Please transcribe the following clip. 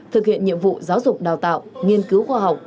thực hiện nhiệm vụ giáo dục đào tạo nghiên cứu khoa học